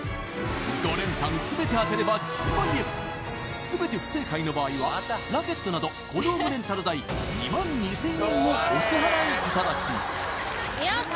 ５連単全て当てれば１０万円全て不正解の場合はラケットなど小道具レンタル代２２０００円をお支払いいただきます